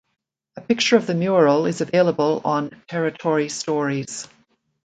A picture of the mural is available on Territory Stories.